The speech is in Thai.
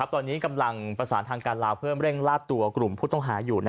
ตอนนี้กำลังประสานทางการลาวเพื่อเร่งลาดตัวกลุ่มผู้ต้องหาอยู่